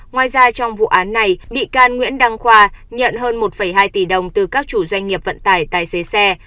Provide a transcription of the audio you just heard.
ngoài ra trong vụ án này bị can nguyễn đăng khoa nhận hơn một hai tỷ đồng từ các chủ doanh nghiệp vận tải tài xế xe